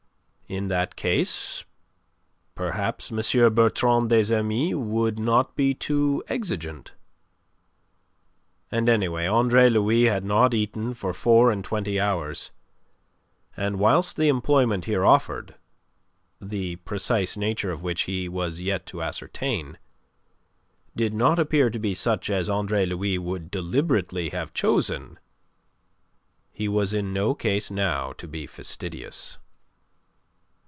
In that case perhaps M. Bertrand des Amis would not be too exigent. And anyway, Andre Louis had not eaten for four and twenty hours, and whilst the employment here offered the precise nature of which he was yet to ascertain did not appear to be such as Andre Louis would deliberately have chosen, he was in no case now to be fastidious.